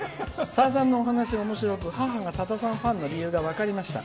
さださんの話はおもしろく母がさださんファンの理由が分かりました。